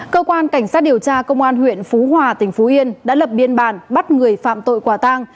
cơ quan cảnh sát điều tra công an huyện phú hòa tỉnh phú yên đã lập biên bản bắt người phạm tội quả tang